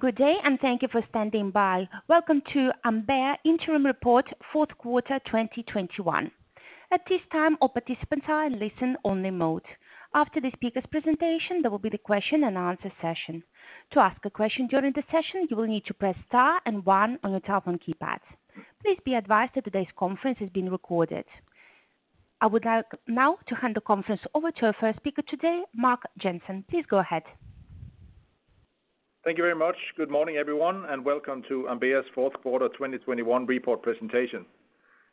Good day, and thank you for standing by. Welcome to Ambea Interim Report Fourth Quarter 2021. At this time, all participants are in listen-only mode. After the speaker's presentation, there will be the question and answer session. To ask a question during the session, you will need to press Star and One on your telephone keypad. Please be advised that today's conference is being recorded. I would like now to hand the conference over to our first speaker today, Mark Jensen. Please go ahead. Thank you very much. Good morning, everyone, and welcome to Ambea's fourth quarter 2021 report presentation.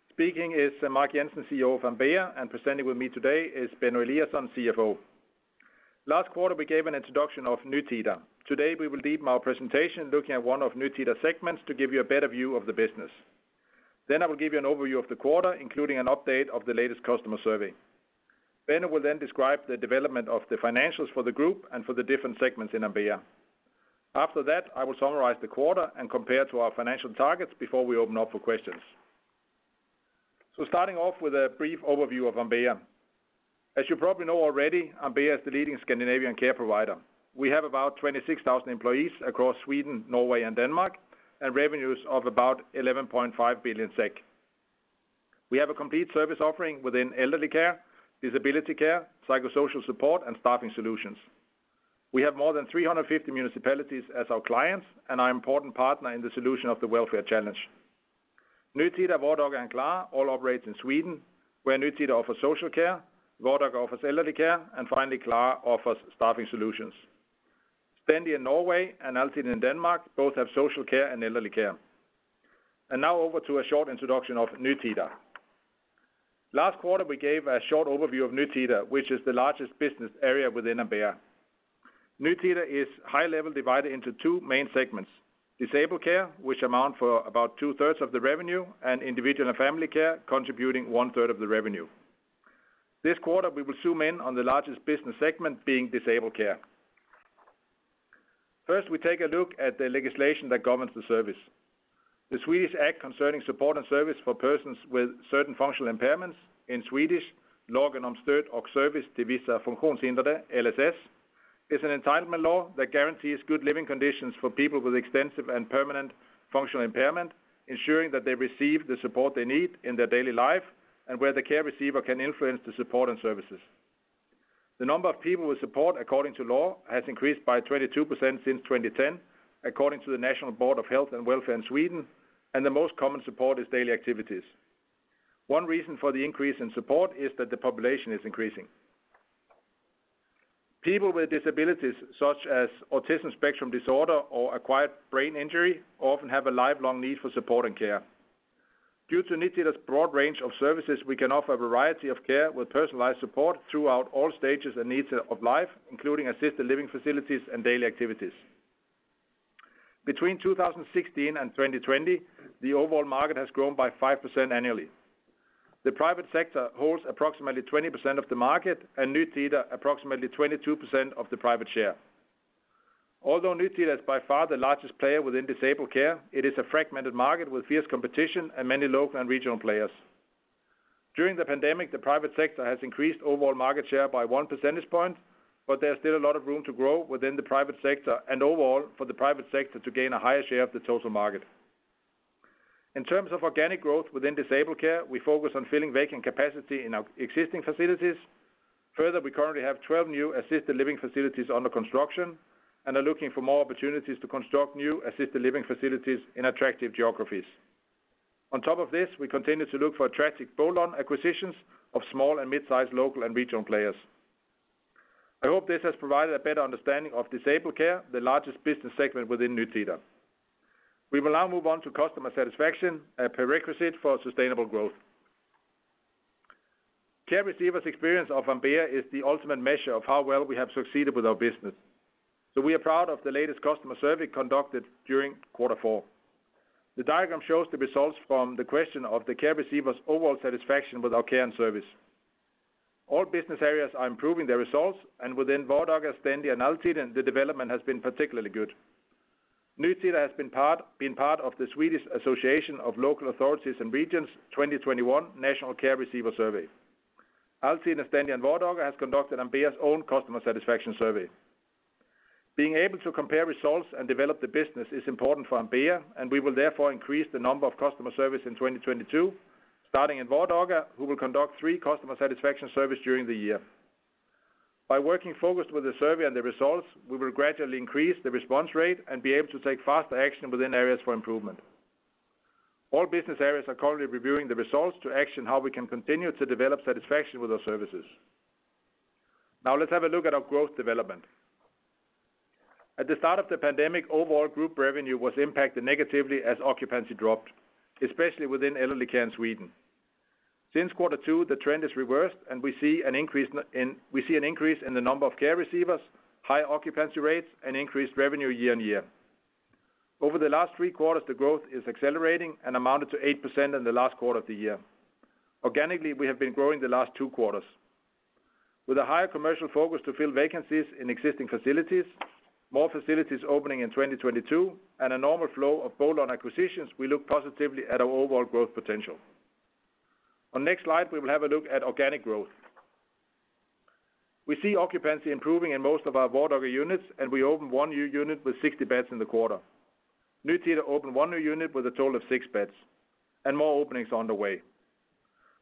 Speaking is Mark Jensen, CEO of Ambea, and presenting with me today is Benno Eliasson, CFO. Last quarter, we gave an introduction of Nytida. Today, we will lead our presentation looking at one of Nytida segments to give you a better view of the business. Then I will give you an overview of the quarter, including an update of the latest customer survey. Benno will then describe the development of the financials for the group and for the different segments in Ambea. After that, I will summarize the quarter and compare to our financial targets before we open up for questions. Starting off with a brief overview of Ambea. As you probably know already, Ambea is the leading Scandinavian care provider. We have about 26,000 employees across Sweden, Norway, and Denmark, and revenues of about 11.5 billion SEK. We have a complete service offering within elderly care, disability care, psychosocial support, and staffing solutions. We have more than 350 municipalities as our clients and our important partner in the solution of the welfare challenge. Nytida, Vardaga, and Klara all operate in Sweden, where Nytida offers social care, Vardaga offers elderly care, and finally, Klara offers staffing solutions. Stendi in Norway and Altiden in Denmark both have social care and elderly care. Now over to a short introduction of Nytida. Last quarter, we gave a short overview of Nytida, which is the largest business area within Ambea. Nytida is high-level divided into two main segments: disability care, which accounts for about 2/3 of the revenue, and individual and family care, contributing 1/3 of the revenue. This quarter, we will zoom in on the largest business segment being disability care. First, we take a look at the legislation that governs the service. The Swedish Act concerning support and service for persons with certain functional impairments in Swedish LSS is an entitlement law that guarantees good living conditions for people with extensive and permanent functional impairment, ensuring that they receive the support they need in their daily life and where the care receiver can influence the support and services. The number of people with support according to law has increased by 22% since 2010, according to the National Board of Health and Welfare in Sweden, and the most common support is daily activities. One reason for the increase in support is that the population is increasing. People with disabilities such as autism spectrum disorder or acquired brain injury often have a lifelong need for support and care. Due to Nytida's broad range of services, we can offer a variety of care with personalized support throughout all stages and needs of life, including assisted living facilities and daily activities. Between 2016 and 2020, the overall market has grown by 5% annually. The private sector holds approximately 20% of the market and Nytida approximately 22% of the private share. Although Nytida is by far the largest player within disabled care, it is a fragmented market with fierce competition and many local and regional players. During the pandemic, the private sector has increased overall market share by one percentage point, but there's still a lot of room to grow within the private sector and overall for the private sector to gain a higher share of the total market. In terms of organic growth within disabled care, we focus on filling vacant capacity in our existing facilities. Further, we currently have 12 new assisted living facilities under construction and are looking for more opportunities to construct new assisted living facilities in attractive geographies. On top of this, we continue to look for attractive bolt-on acquisitions of small and mid-size local and regional players. I hope this has provided a better understanding of disabled care, the largest business segment within Nytida. We will now move on to customer satisfaction, a prerequisite for sustainable growth. Care receivers' experience of Ambea is the ultimate measure of how well we have succeeded with our business. We are proud of the latest customer survey conducted during quarter four. The diagram shows the results from the question of the care receivers' overall satisfaction with our care and service. All business areas are improving their results, and within Vardaga, Stendi, and Altiden, the development has been particularly good. Nytida has been part of the Swedish Association of Local Authorities and Regions 2021 National Care Receiver Survey. Altiden and Stendi and Vardaga has conducted Ambea's own customer satisfaction survey. Being able to compare results and develop the business is important for Ambea, and we will therefore increase the number of customer surveys in 2022, starting in Vardaga, who will conduct three customer satisfaction surveys during the year. By working focused with the survey and the results, we will gradually increase the response rate and be able to take faster action within areas for improvement. All business areas are currently reviewing the results to act on how we can continue to develop satisfaction with our services. Now let's have a look at our growth development. At the start of the pandemic, overall group revenue was impacted negatively as occupancy dropped, especially within elderly care in Sweden. Since quarter two, the trend has reversed, and we see an increase in the number of care receivers, high occupancy rates, and increased revenue year-over-year. Over the last three quarters, the growth is accelerating and amounted to 8% in the last quarter of the year. Organically, we have been growing the last two quarters. With a higher commercial focus to fill vacancies in existing facilities, more facilities opening in 2022, and a normal flow of bolt-on acquisitions, we look positively at our overall growth potential. On next slide, we will have a look at organic growth. We see occupancy improving in most of our Vardaga units, and we opened one new unit with 60 beds in the quarter. Nytida opened one new unit with a total of 6 beds, and more openings are on the way.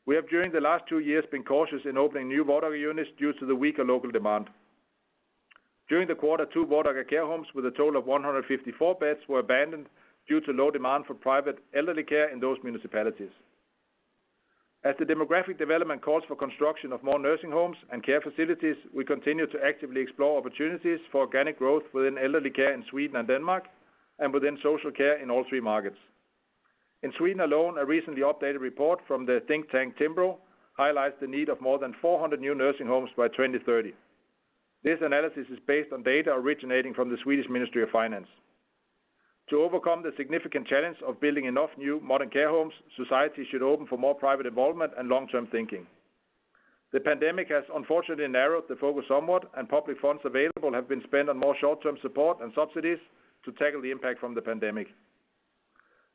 We have, during the last two years, been cautious in opening new Vardaga units due to the weaker local demand. During the quarter, two Vardaga care homes, with a total of 154 beds, were abandoned due to low demand for private elderly care in those municipalities. As the demographic development calls for construction of more nursing homes and care facilities, we continue to actively explore opportunities for organic growth within elderly care in Sweden and Denmark and within social care in all three markets. In Sweden alone, a recently updated report from the think tank, Timbro, highlights the need of more than 400 new nursing homes by 2030. This analysis is based on data originating from the Swedish Ministry of Finance. To overcome the significant challenge of building enough new modern care homes, society should open for more private involvement and long-term thinking. The pandemic has unfortunately narrowed the focus somewhat, and public funds available have been spent on more short-term support and subsidies to tackle the impact from the pandemic.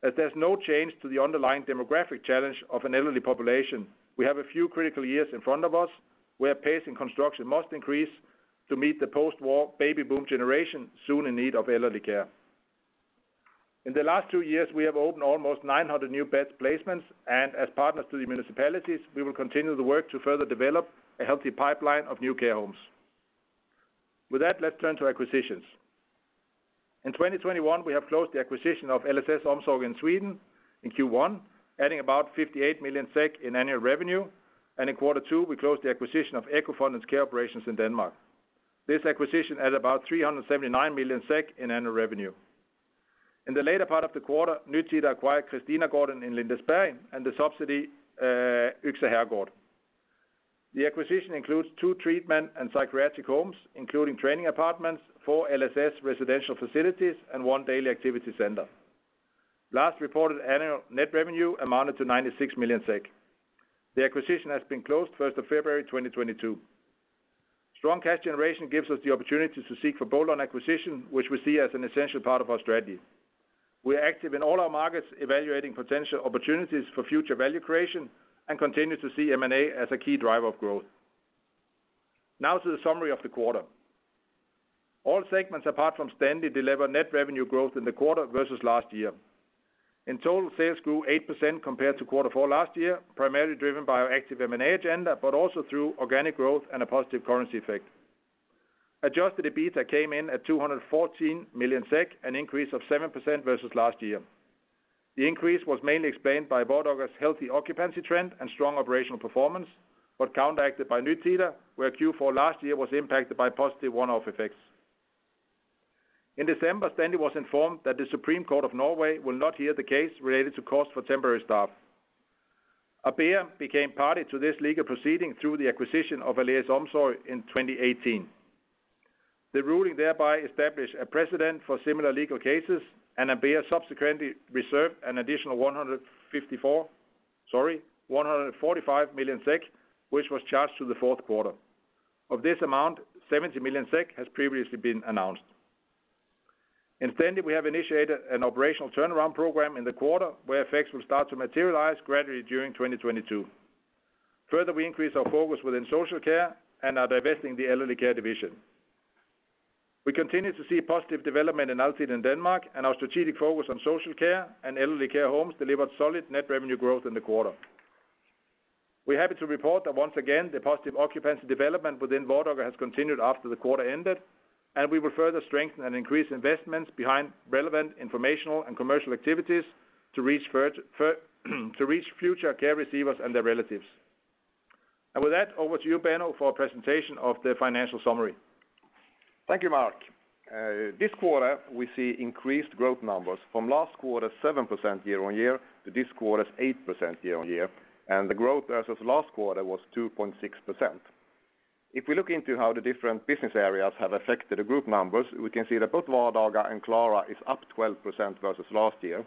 As there's no change to the underlying demographic challenge of an elderly population, we have a few critical years in front of us, where pace and construction must increase to meet the post-war baby boom generation soon in need of elderly care. In the last two years, we have opened almost 900 new bed placements, and as partners to the municipalities, we will continue the work to further develop a healthy pipeline of new care homes. With that, let's turn to acquisitions. In 2021, we have closed the acquisition of LSS Omsorgen in Sweden in Q1, adding about 58 million SEK in annual revenue. In quarter two, we closed the acquisition of EKKOfonden's care operations in Denmark. This acquisition added about 379 million SEK in annual revenue. In the later part of the quarter, Nytida acquired Christinagården in Lindesberg and the subsidiary Yxe Herrgård. The acquisition includes two treatment and psychiatric homes, including training apartments for LSS residential facilities and one daily activity center. Last reported annual net revenue amounted to 96 million SEK. The acquisition has been closed first of February 2022. Strong cash generation gives us the opportunity to seek for bolt-on acquisition, which we see as an essential part of our strategy. We are active in all our markets evaluating potential opportunities for future value creation and continue to see M&A as a key driver of growth. Now to the summary of the quarter. All segments, apart from Stendi, delivered net revenue growth in the quarter versus last year. In total, sales grew 8% compared to quarter four last year, primarily driven by our active M&A agenda, but also through organic growth and a positive currency effect. Adjusted EBITA came in at 214 million SEK, an increase of 7% versus last year. The increase was mainly explained by Vardaga's healthy occupancy trend and strong operational performance, but counteracted by Nytida, where Q4 last year was impacted by positive one-off effects. In December, Stendi was informed that the Supreme Court of Norway will not hear the case related to cost for temporary staff. Ambea became party to this legal proceeding through the acquisition of Aleris Omsorg in 2018. The ruling thereby established a precedent for similar legal cases, and Ambea subsequently reserved an additional 145 million SEK, which was charged to the fourth quarter. Of this amount, 70 million SEK has previously been announced. In Stendi, we have initiated an operational turnaround program in the quarter where effects will start to materialize gradually during 2022. Further, we increase our focus within social care and are divesting the elderly care division. We continue to see positive development in Altiden in Denmark, and our strategic focus on social care and elderly care homes delivered solid net revenue growth in the quarter. We're happy to report that once again, the positive occupancy development within Vardaga has continued after the quarter ended, and we will further strengthen and increase investments behind relevant informational and commercial activities to reach future care receivers and their relatives. With that, over to you, Benno, for a presentation of the financial summary. Thank you, Mark. This quarter, we see increased growth numbers. From last quarter's 7% year-on-year to this quarter's 8% year-on-year, and the growth versus last quarter was 2.6%. If we look into how the different business areas have affected the group numbers, we can see that both Vardaga and Klara is up 12% versus last year.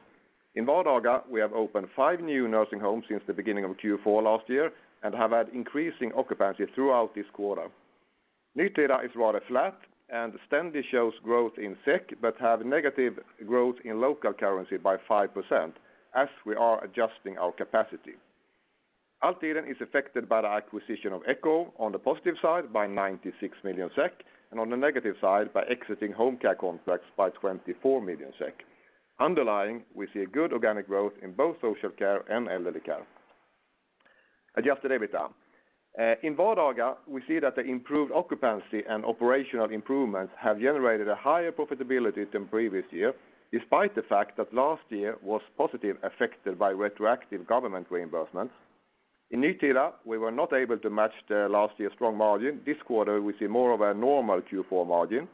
In Vardaga, we have opened five new nursing homes since the beginning of Q4 last year and have had increasing occupancy throughout this quarter. Nytida is rather flat, and Stendi shows growth in SEK, but have negative growth in local currency by 5% as we are adjusting our capacity. Altiden is affected by the acquisition of EKKOfonden on the positive side by 96 million SEK, and on the negative side by exiting home care contracts by 24 million SEK. Underlying, we see a good organic growth in both social care and elderly care. Adjusted EBITDA in Vardaga, we see that the improved occupancy and operational improvements have generated a higher profitability than previous year, despite the fact that last year was positively affected by retroactive government reimbursements. In Nytida, we were not able to match the last year's strong margin. This quarter, we see more of a normal Q4 margin.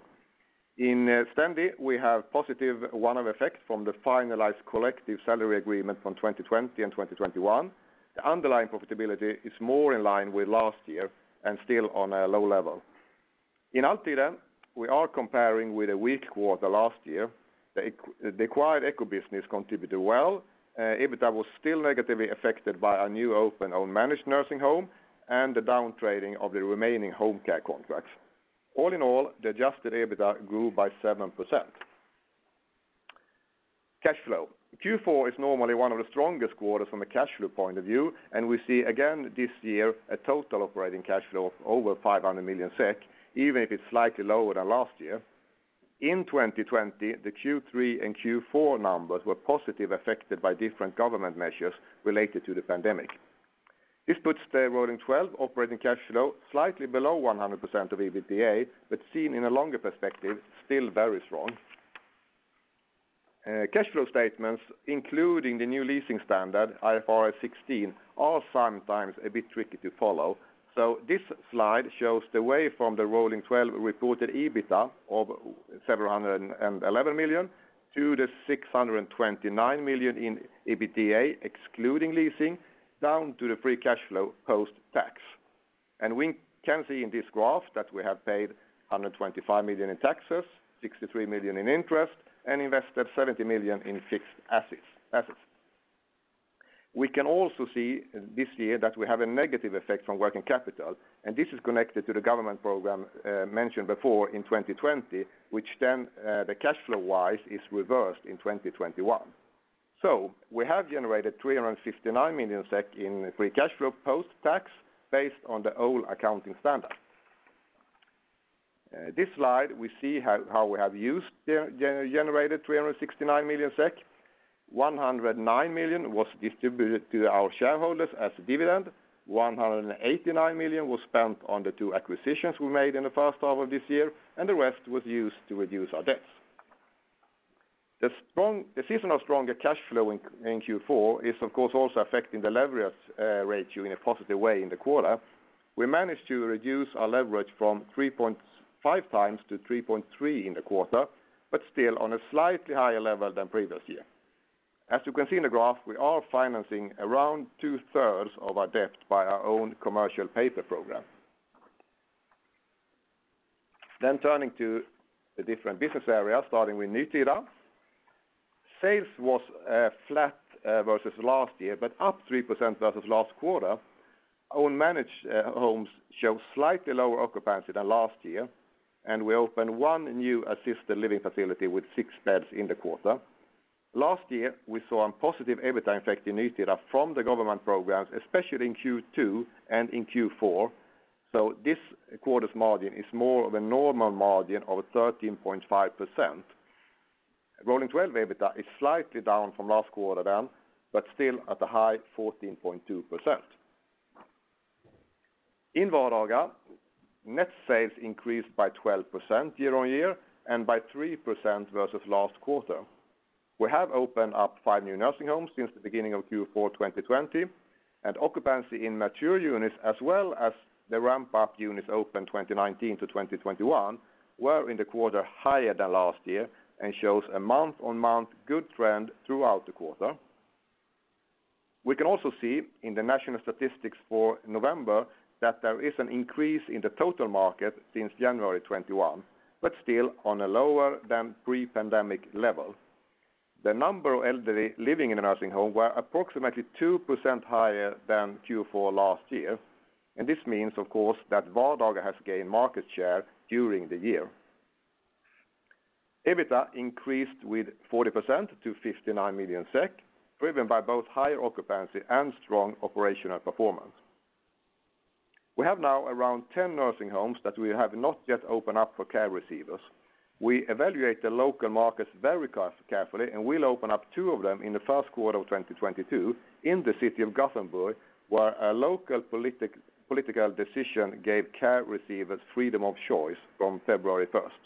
In Stendi, we have positive one-off effects from the finalized collective salary agreement from 2020 and 2021. The underlying profitability is more in line with last year and still on a low level. In Altiden, we are comparing with a weak quarter last year. The acquired EKKOfonden business contributed well. EBITDA was still negatively affected by a new open own managed nursing home and the downtrading of the remaining home care contracts. All in all, the adjusted EBITDA grew by 7%. Cash flow. Q4 is normally one of the strongest quarters from a cash flow point of view, and we see again this year a total operating cash flow of over 500 million SEK, even if it's slightly lower than last year. In 2020, the Q3 and Q4 numbers were positively affected by different government measures related to the pandemic. This puts the rolling twelve operating cash flow slightly below 100% of EBITDA, but seen in a longer perspective, still very strong. Cash flow statements, including the new leasing standard, IFRS 16, are sometimes a bit tricky to follow. This slide shows the way from the rolling twelve reported EBITDA of 711 million to the 629 million in EBITDA, excluding leasing, down to the free cash flow post-tax. We can see in this graph that we have paid 125 million in taxes, 63 million in interest, and invested 70 million in fixed assets. We can also see this year that we have a negative effect on working capital, and this is connected to the government program mentioned before in 2020, which then the cash flow-wise is reversed in 2021. We have generated 359 million SEK in free cash flow post-tax based on the old accounting standard. This slide we see how we have used the generated 369 million SEK. 109 million was distributed to our shareholders as a dividend. 189 million was spent on the two acquisitions we made in the first half of this year, and the rest was used to reduce our debts. The seasonally stronger cash flow in Q4 is of course also affecting the leverage rate in a positive way in the quarter. We managed to reduce our leverage from 3.5 times to 3.3 in the quarter, but still on a slightly higher level than previous year. As you can see in the graph, we are financing around two-thirds of our debt by our own commercial paper program. Turning to the different business areas, starting with Nytida. Sales was flat versus last year, but up 3% versus last quarter. Our managed homes show slightly lower occupancy than last year, and we opened one new assisted living facility with six beds in the quarter. Last year, we saw a positive EBITDA effect in Nytida from the government programs, especially in Q2 and in Q4. This quarter's margin is more of a normal margin of 13.5%. Rolling twelve EBITDA is slightly down from last quarter then, but still at a high 14.2%. In Vardaga, net sales increased by 12% year-on-year and by 3% versus last quarter. We have opened up five new nursing homes since the beginning of Q4 2020, and occupancy in mature units as well as the ramp-up units opened 2019 to 2021 were in the quarter higher than last year and shows a month-on-month good trend throughout the quarter. We can also see in the national statistics for November that there is an increase in the total market since January 2021, but still on a lower than pre-pandemic level. The number of elderly living in a nursing home were approximately 2% higher than Q4 last year, and this means, of course, that Vardaga has gained market share during the year. EBITDA increased with 40% to 59 million SEK, driven by both higher occupancy and strong operational performance. We have now around 10 nursing homes that we have not yet opened up for care receivers. We evaluate the local markets very carefully, and we'll open up two of them in the first quarter of 2022 in the city of Gothenburg, where a local political decision gave care receivers freedom of choice from February 1st.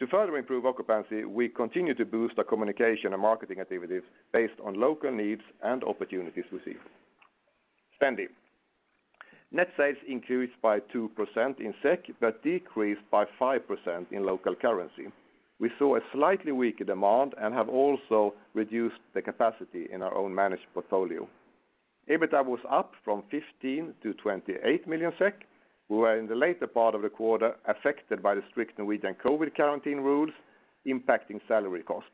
To further improve occupancy, we continue to boost our communication and marketing activities based on local needs and opportunities received. Stendi. Net sales increased by 2% in SEK, but decreased by 5% in local currency. We saw a slightly weaker demand and have also reduced the capacity in our own managed portfolio. EBITDA was up from 15 million-28 million SEK, which were in the later part of the quarter affected by the strict Norwegian COVID quarantine rules impacting salary costs.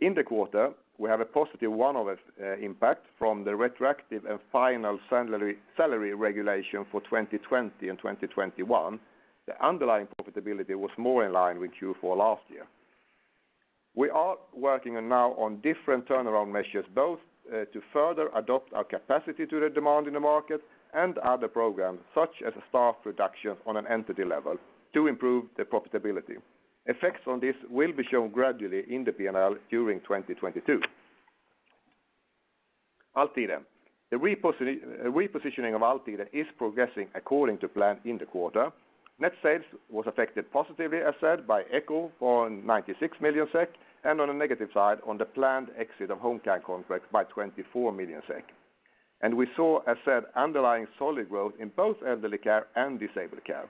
In the quarter, we have a positive one-off impact from the retroactive and final salary regulation for 2020 and 2021. The underlying profitability was more in line with Q4 last year. We are working now on different turnaround measures, both to further adapt our capacity to the demand in the market and other programs, such as staff reduction on an entity level to improve the profitability. Effects on this will be shown gradually in the P&L during 2022. Altiden. The repositioning of Altiden is progressing according to plan in the quarter. Net sales was affected positively, as said, by EKKO on 96 million SEK, and on a negative side, on the planned exit of home care contracts by 24 million SEK. We saw, as said, underlying solid growth in both elderly care and disabled care.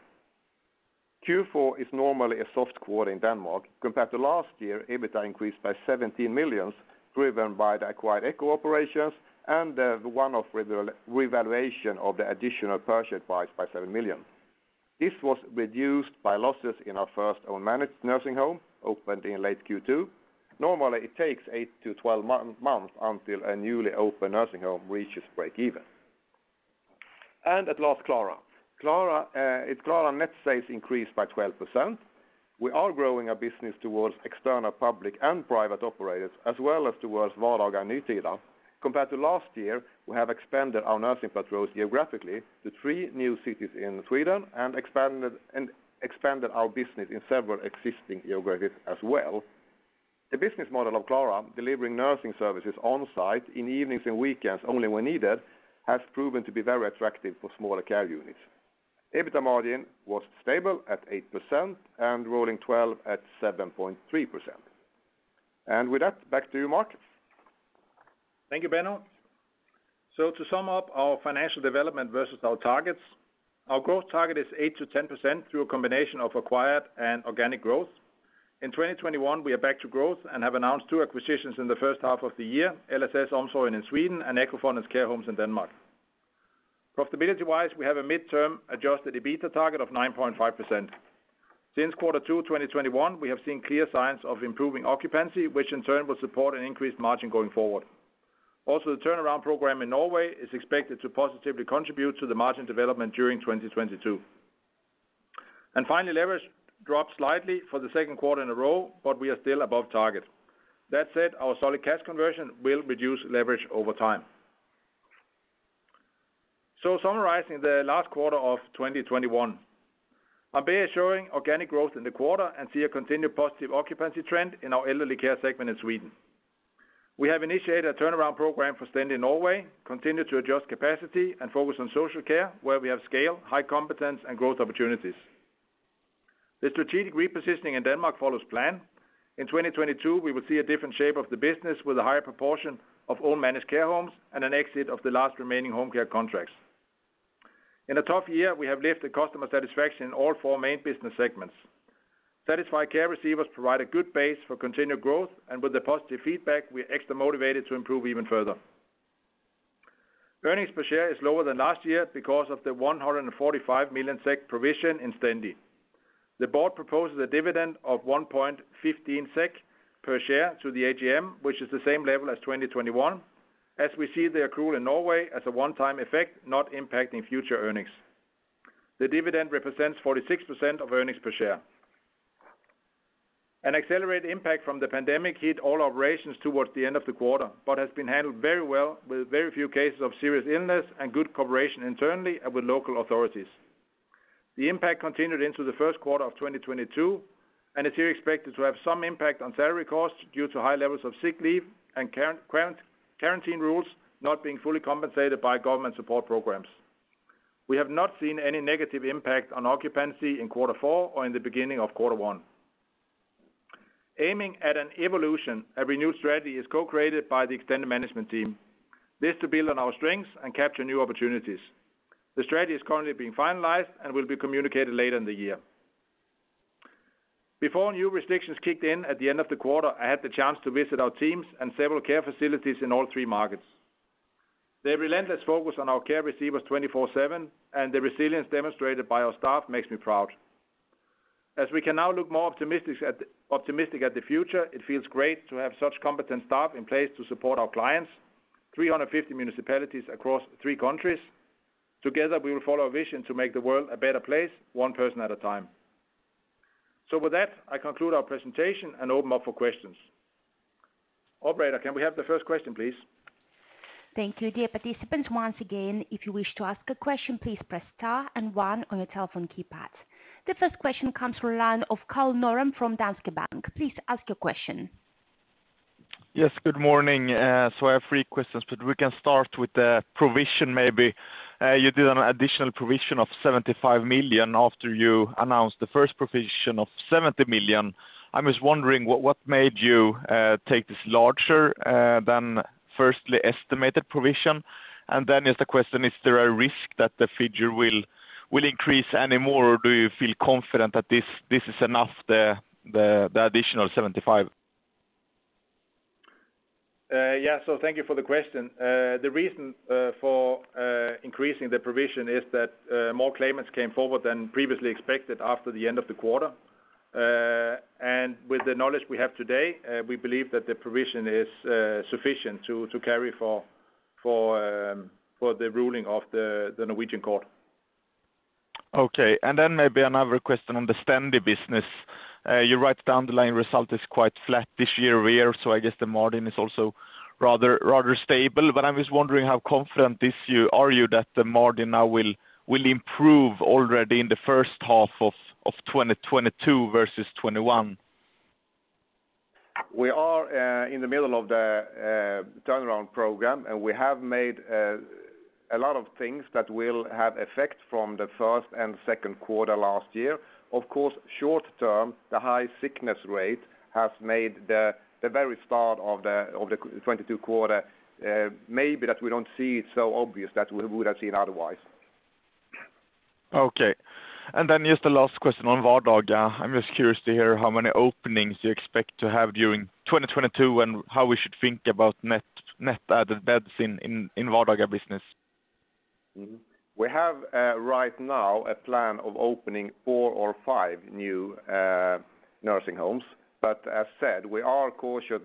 Q4 is normally a soft quarter in Denmark. Compared to last year, EBITDA increased by 17 million, driven by the acquired EKKO operations and the one-off revaluation of the additional purchase price by 7 million. This was reduced by losses in our first own managed nursing home, opened in late Q2. Normally, it takes eight to 12 months until a newly opened nursing home reaches break even. At last, Klara. At Klara net sales increased by 12%. We are growing our business towards external public and private operators, as well as towards Vardaga and Nytida. Compared to last year, we have expanded our nursing patrols geographically to three new cities in Sweden and expanded our business in several existing geographies as well. The business model of Klara delivering nursing services on-site in evenings and weekends only when needed has proven to be very attractive for smaller care units. EBITDA margin was stable at 8% and rolling 12 at 7.3%. With that, back to you, Mark. Thank you, Benno. To sum up our financial development versus our targets, our growth target is 8%-10% through a combination of acquired and organic growth. In 2021, we are back to growth and have announced two acquisitions in the first half of the year, LSS Omsorgen in Sweden, and EKKOfonden's care homes in Denmark. Profitability-wise, we have a midterm adjusted EBITDA target of 9.5%. Since Q2 2021, we have seen clear signs of improving occupancy, which in turn will support an increased margin going forward. Also, the turnaround program in Norway is expected to positively contribute to the margin development during 2022. Finally, leverage dropped slightly for the second quarter in a row, but we are still above target. That said, our solid cash conversion will reduce leverage over time. Summarizing the last quarter of 2021, Ambea is showing organic growth in the quarter and see a continued positive occupancy trend in our elderly care segment in Sweden. We have initiated a turnaround program for Stendi in Norway, continued to adjust capacity and focus on social care where we have scale, high competence and growth opportunities. The strategic repositioning in Denmark follows plan. In 2022, we will see a different shape of the business with a higher proportion of all managed care homes and an exit of the last remaining home care contracts. In a tough year, we have lifted customer satisfaction in all four main business segments. Satisfied care receivers provide a good base for continued growth, and with the positive feedback, we're extra motivated to improve even further. Earnings per share is lower than last year because of the 145 million SEK provision in Stendi. The board proposes a dividend of 1.15 SEK per share to the AGM, which is the same level as 2021, as we see the accrual in Norway as a one-time effect, not impacting future earnings. The dividend represents 46% of earnings per share. An accelerated impact from the pandemic hit all operations towards the end of the quarter, but has been handled very well with very few cases of serious illness and good cooperation internally and with local authorities. The impact continued into the first quarter of 2022, and it's here expected to have some impact on salary costs due to high levels of sick leave and current quarantine rules not being fully compensated by government support programs. We have not seen any negative impact on occupancy in quarter four or in the beginning of quarter one. Aiming at an evolution, a renewed strategy is co-created by the extended management team. This to build on our strengths and capture new opportunities. The strategy is currently being finalized and will be communicated later in the year. Before new restrictions kicked in at the end of the quarter, I had the chance to visit our teams and several care facilities in all three markets. Their relentless focus on our care receivers 24/7 and the resilience demonstrated by our staff makes me proud. As we can now look more optimistic at the future, it feels great to have such competent staff in place to support our clients, 350 municipalities across three countries. Together, we will follow our vision to make the world a better place one person at a time. With that, I conclude our presentation and open up for questions. Operator, can we have the first question, please? Thank you, dear participants. Once again, if you wish to ask a question, please press star and one on your telephone keypad. The first question comes from the line of Karl Norén from Danske Bank. Please ask your question. Yes, good morning. So I have three questions, but we can start with the provision maybe. You did an additional provision of 75 million after you announced the first provision of 70 million. I was wondering what made you take this larger than firstly estimated provision? Is the question, is there a risk that the figure will increase any more, or do you feel confident that this is enough, the additional 75 million? Thank you for the question. The reason for increasing the provision is that more claimants came forward than previously expected after the end of the quarter. With the knowledge we have today, we believe that the provision is sufficient to cover the ruling of the Norwegian court. Okay. Maybe another question on the Stendi business. You write down the line result is quite flat this year-over-year, so I guess the margin is also rather stable. I was wondering how confident are you that the margin now will improve already in the first half of 2022 versus 2021? We are in the middle of the turnaround program, and we have made a lot of things that will have effect from the first and second quarter last year. Of course, short term, the high sickness rate has made the very start of the 2022 quarter maybe that we don't see it so obvious that we would have seen otherwise. Okay. Just a last question on Vardaga. I'm just curious to hear how many openings you expect to have during 2022 and how we should think about net added beds in Vardaga business? We have right now a plan of opening four or five new nursing homes. As said, we are cautious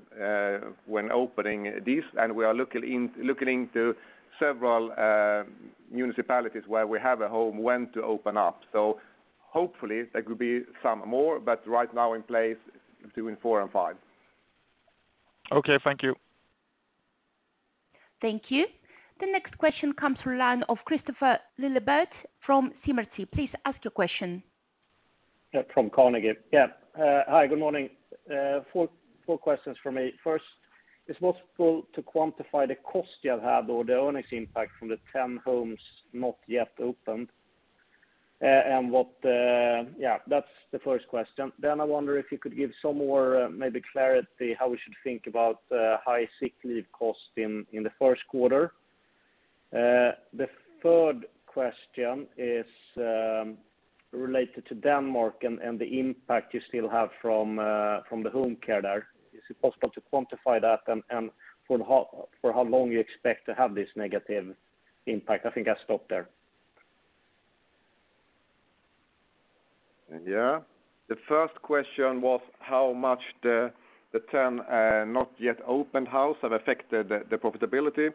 when opening these, and we are looking into several municipalities where we have a home when to open up. Hopefully there could be some more, but right now in place doing four and five. Okay, thank you. Thank you. The next question comes from the line of Kristofer Liljeberg from Carnegie. Please ask your question. From Carnegie. Hi, good morning. Four questions for me. First, is it possible to quantify the cost you have had or the earnings impact from the 10 homes not yet opened? That's the first question. I wonder if you could give some more maybe clarity how we should think about high sick leave costs in the first quarter. The third question is related to Denmark and the impact you still have from the home care there. Is it possible to quantify that and for how long you expect to have this negative impact? I think I stop there. Yeah. The first question was how much the ten not yet opened houses have affected the profitability.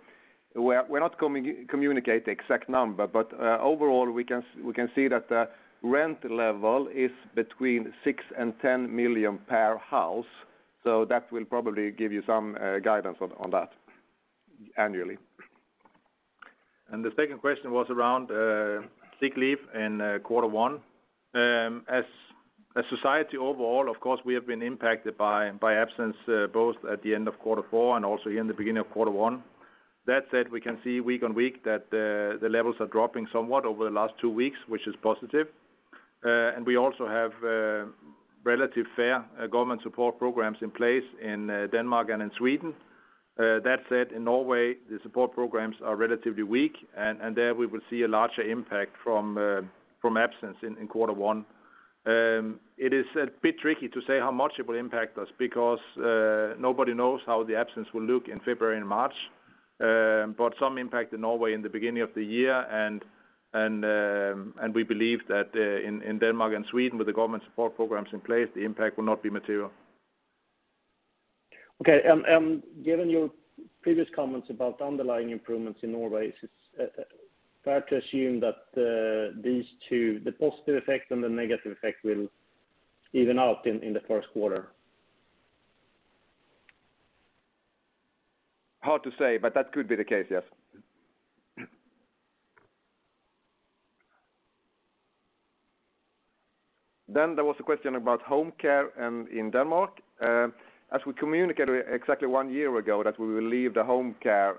We're not communicating the exact number, but overall we can see that the rent level is between 6 million and 10 million per house. That will probably give you some guidance on that annually. The second question was around sick leave in quarter one. As society overall, of course, we have been impacted by absence both at the end of quarter four and also in the beginning of quarter one. That said, we can see week on week that the levels are dropping somewhat over the last two weeks, which is positive. We also have relatively fair government support programs in place in Denmark and in Sweden. That said, in Norway, the support programs are relatively weak, and there we will see a larger impact from absence in quarter one. It is a bit tricky to say how much it will impact us because nobody knows how the absence will look in February and March. Some impact in Norway in the beginning of the year and we believe that in Denmark and Sweden with the government support programs in place, the impact will not be material. Given your previous comments about underlying improvements in Norway, is it fair to assume that these two, the positive effect and the negative effect, will even out in the first quarter? Hard to say, but that could be the case, yes. There was a question about home care in Denmark. As we communicated exactly one year ago that we will leave the home care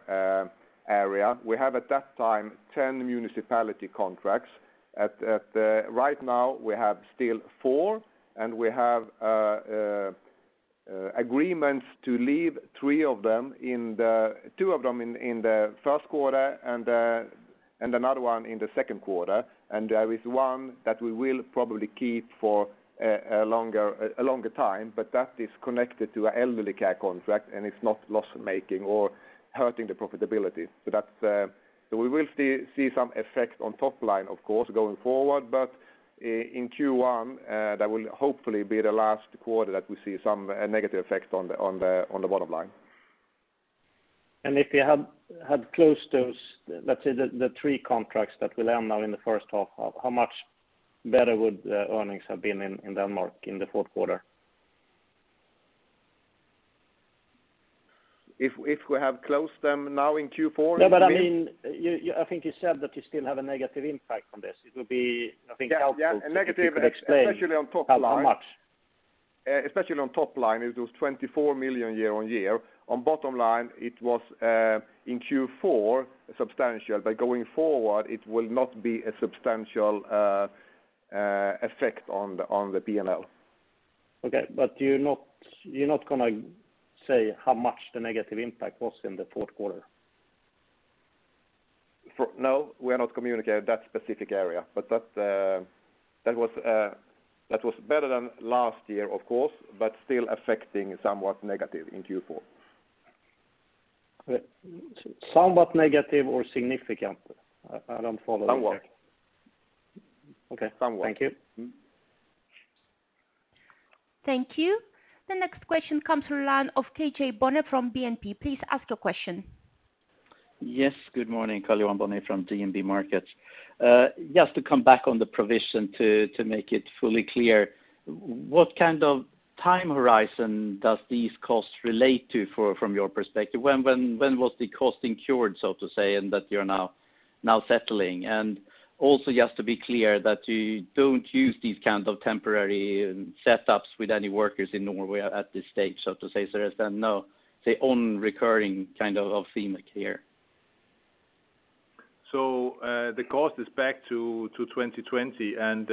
area. We have at that time 10 municipality contracts. Right now we have still four, and we have agreements to leave three of them, two of them in the first quarter and another one in the second quarter. There is one that we will probably keep for a longer time, but that is connected to a elderly care contract, and it's not loss-making or hurting the profitability. We will see some effect on top line, of course, going forward, but in Q1, that will hopefully be the last quarter that we see some negative effect on the bottom line. If you had closed those, let's say the three contracts that will end now in the first half, how much better would the earnings have been in Denmark in the fourth quarter? If we have closed them now in Q4, you mean? Yeah, but I mean, I think you said that you still have a negative impact on this. It would be, I think, helpful. Yeah, negative- If you could explain how much. Especially on top line, it was 24 million year-on-year. On bottom line, it was substantial in Q4, but going forward it will not be a substantial effect on the P&L. Okay, you're not gonna say how much the negative impact was in the fourth quarter? No, we are not communicating that specific area. That was better than last year of course, but still affecting somewhat negative in Q4. Okay. Somewhat negative or significant? I don't follow there. Somewhat. Okay. Somewhat. Thank you. Thank you. The next question comes from the line of KJ Bonnevier from DNB Markets. Please ask your question. Yes. Good morning, Karl-Johan Bonnevier from DNB Markets. Just to come back on the provision to make it fully clear, what kind of time horizon does these costs relate to from your perspective? When was the cost incurred, so to say, and that you're now settling? And also, just to be clear that you don't use these kind of temporary setups with any workers in Norway at this stage, so to say. There is then no, say, own recurring kind of theme here. The cost is back to 2020, and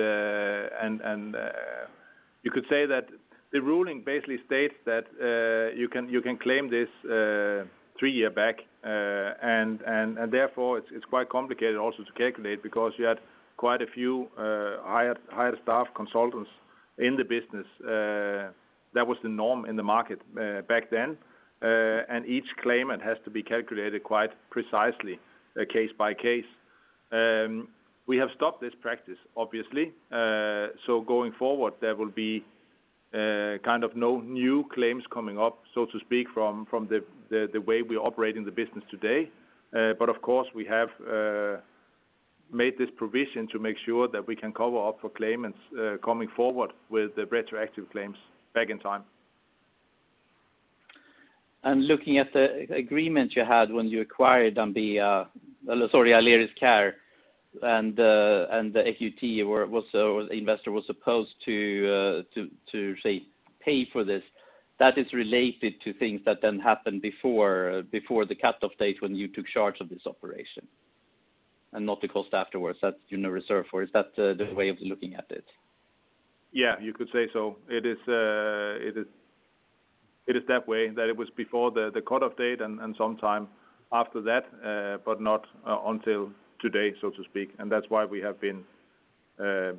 you could say that the ruling basically states that you can claim this three years back. Therefore it's quite complicated also to calculate because you had quite a few hired staff consultants in the business. That was the norm in the market back then. Each claimant has to be calculated quite precisely case by case. We have stopped this practice obviously. Going forward, there will be kind of no new claims coming up, so to speak, from the way we operate in the business today. But of course we have made this provision to make sure that we can cover up for claimants coming forward with the retroactive claims back in time. Looking at the agreement you had when you acquired Aleris Care and the AQT where the investor was supposed to pay for this, that is related to things that then happened before the cutoff date when you took charge of this operation and not the cost afterwards that you now reserve for. Is that the way of looking at it? Yeah, you could say so. It is that way that it was before the cutoff date and sometime after that, but not until today, so to speak. That's why we have been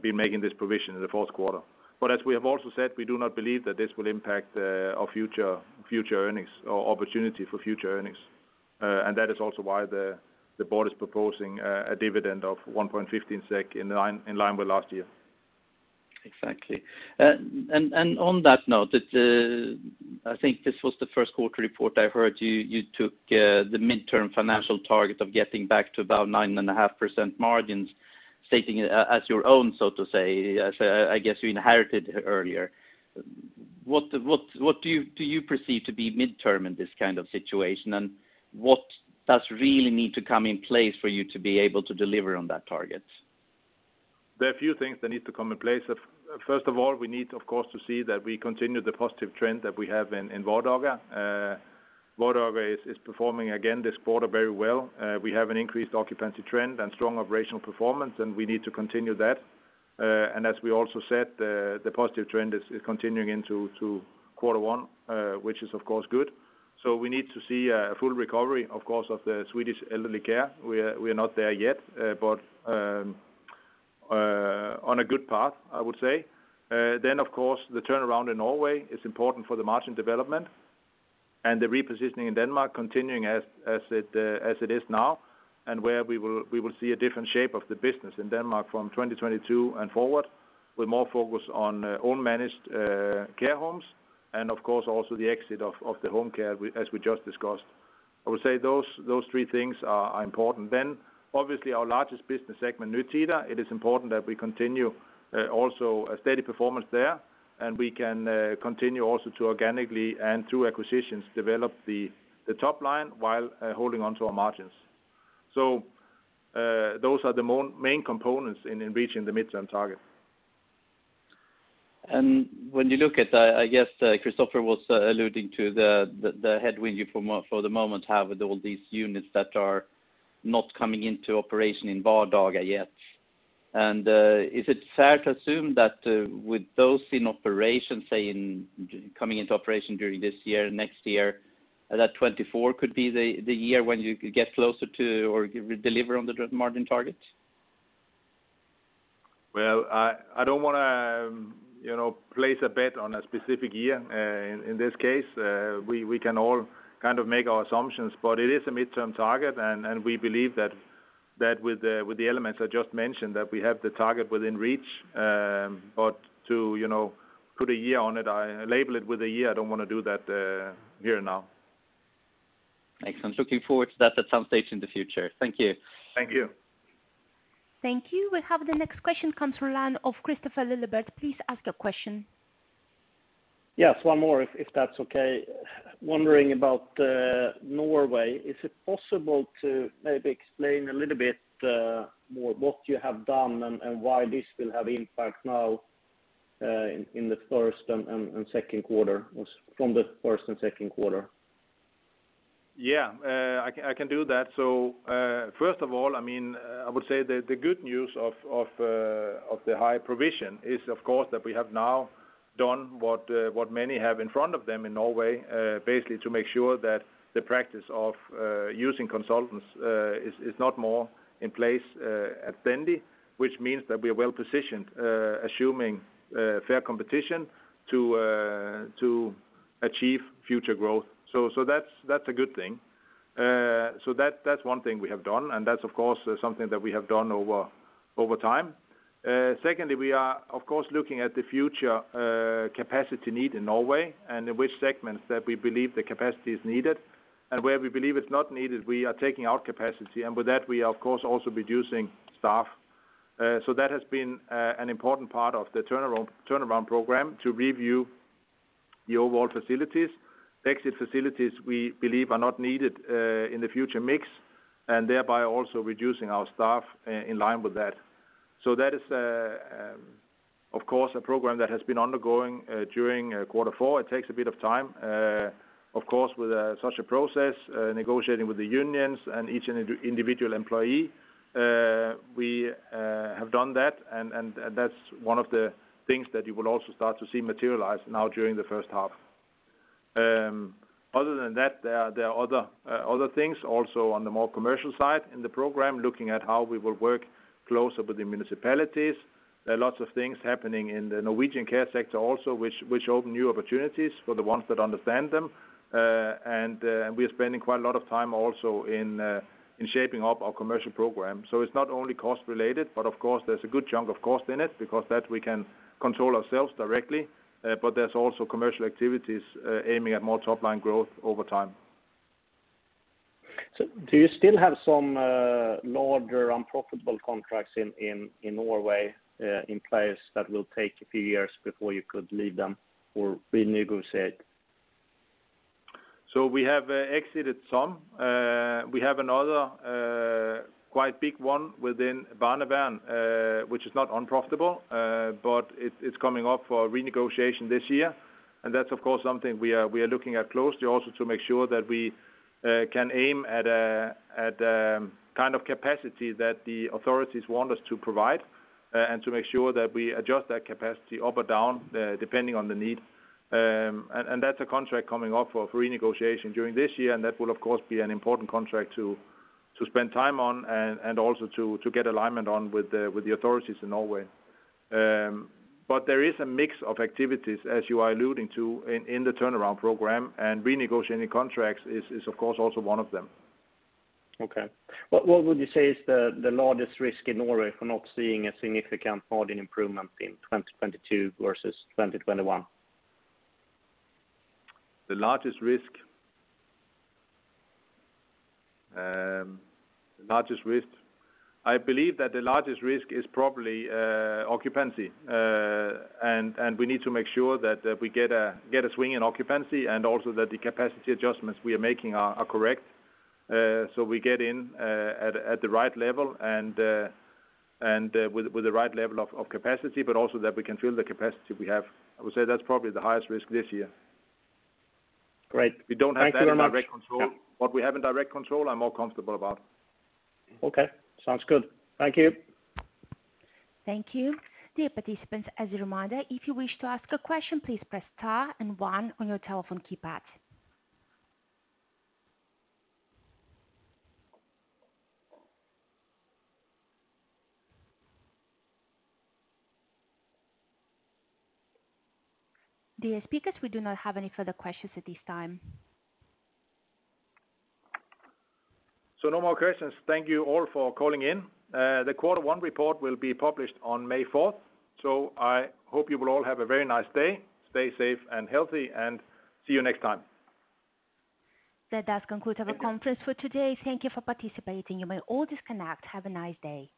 making this provision in the fourth quarter. As we have also said, we do not believe that this will impact our future earnings or opportunity for future earnings. That is also why the board is proposing a dividend of 1.15 SEK in line with last year. Exactly. On that note, I think this was the first quarter report I heard you took the midterm financial target of getting back to about 9.5% margins, stating it as your own, so to say, as I guess you inherited earlier. What do you perceive to be midterm in this kind of situation? What really needs to come into place for you to be able to deliver on that target? There are a few things that need to come in place. First of all, we need, of course, to see that we continue the positive trend that we have in Vardaga. Vardaga is performing again this quarter very well. We have an increased occupancy trend and strong operational performance, and we need to continue that. And as we also said, the positive trend is continuing into quarter one, which is of course good. We need to see a full recovery, of course, of the Swedish elderly care. We're not there yet, but on a good path, I would say. Of course, the turnaround in Norway is important for the margin development and the repositioning in Denmark continuing as it is now, and where we will see a different shape of the business in Denmark from 2022 and forward with more focus on own managed care homes. Of course also the exit of the home care, as we just discussed. I would say those three things are important. Obviously our largest business segment Nytida, it is important that we continue also a steady performance there. We can continue also to organically and through acquisitions develop the top line while holding onto our margins. Those are the main components in reaching the midterm target. When you look at, I guess, Kristofer was alluding to the headwind you for the moment have with all these units that are not coming into operation in Vardaga yet. Is it fair to assume that, with those in operation, say in coming into operation during this year, next year, that 2024 could be the year when you could get closer to or deliver on the margin targets? Well, I don't wanna, you know, place a bet on a specific year, in this case. We can all kind of make our assumptions, but it is a midterm target. We believe that with the elements I just mentioned, that we have the target within reach. To you know put a year on it, I label it with a year. I don't wanna do that here now. Thanks. I'm looking forward to that at some stage in the future. Thank you. Thank you. Thank you. We'll have the next question come through line of Kristofer Liljeberg. Please ask your question. Yes. One more if that's okay. Wondering about Norway. Is it possible to maybe explain a little bit more what you have done and why this will have impact now in the first and second quarter or from the first and second quarter? Yeah. I can do that. First of all, I mean, I would say the good news of the high provision is of course that we have now done what many have in front of them in Norway, basically to make sure that the practice of using consultants is not more in place at Stendi, which means that we are well positioned, assuming fair competition to achieve future growth. That's a good thing. That's one thing we have done, and that's of course something that we have done over time. Secondly, we are of course looking at the future capacity need in Norway and in which segments that we believe the capacity is needed. Where we believe it's not needed, we are taking out capacity. With that, we are of course also reducing staff. That has been an important part of the turnaround program to review the overall facilities. Exit facilities we believe are not needed in the future mix, and thereby also reducing our staff in line with that. That is, of course a program that has been undergoing during quarter four. It takes a bit of time, of course with such a process, negotiating with the unions and each individual employee. We have done that and that's one of the things that you will also start to see materialize now during the first half. Other than that, there are other things also on the more commercial side in the program, looking at how we will work closer with the municipalities. There are lots of things happening in the Norwegian care sector also, which open new opportunities for the ones that understand them. And we are spending quite a lot of time also in shaping up our commercial program. It's not only cost related, but of course there's a good chunk of cost in it because that we can control ourselves directly. There's also commercial activities aiming at more top line growth over time. Do you still have some larger unprofitable contracts in Norway in place that will take a few years before you could leave them or renegotiate? We have exited some. We have another quite big one within Barnevernet, which is not unprofitable. It is coming up for renegotiation this year. That's of course something we are looking at closely also to make sure that we can aim at kind of capacity that the authorities want us to provide, and to make sure that we adjust that capacity up or down, depending on the need. That's a contract coming up for renegotiation during this year, and that will of course be an important contract to spend time on and also to get alignment on with the authorities in Norway. There is a mix of activities as you are alluding to in the turnaround program, and renegotiating contracts is of course also one of them. Okay. What would you say is the largest risk in Norway for not seeing a significant margin improvement in 2022 versus 2021? The largest risk? The largest risk. I believe that the largest risk is probably occupancy. We need to make sure that we get a swing in occupancy and also that the capacity adjustments we are making are correct, so we get in at the right level and with the right level of capacity, but also that we can fill the capacity we have. I would say that's probably the highest risk this year. Great. Thank you very much. We don't have that in direct control. What we have in direct control, I'm more comfortable about. Okay, sounds good. Thank you. Thank you. Dear participants, as a reminder, if you wish to ask a question, please press star and one on your telephone keypad. Dear speakers, we do not have any further questions at this time. No more questions. Thank you all for calling in. The quarter one report will be published on May 4th. I hope you will all have a very nice day, stay safe and healthy, and see you next time. That does conclude our conference for today. Thank you for participating. You may all disconnect. Have a nice day.